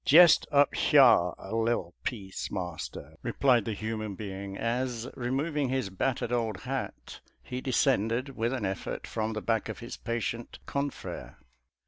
" Jest up hyar, a li'P piece, Master," replied the liuman being, as, removing his bat tered old hat, he descended with an effort from the back of his patient confrere.